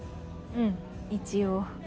うん一応。